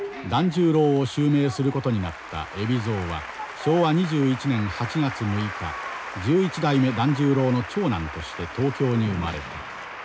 團十郎を襲名することになった海老蔵は昭和２１年８月６日十一代目團十郎の長男として東京に生まれた。